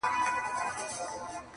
چي له ډېري خاموشۍ یې غوغا خېژې,